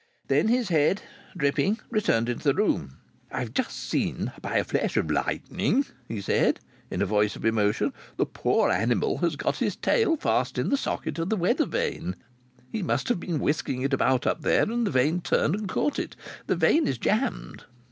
Then his head, dripping, returned into the room. "I've just seen by a flash of lightning," he said in a voice of emotion. "The poor animal has got his tail fast in the socket of the weather vane. He must have been whisking it about up there, and the vane turned and caught it. The vane is jammed."